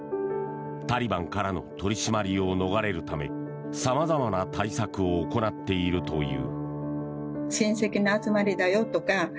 タリバンからの取り締まりを逃れるためさまざまな対策を行っているという。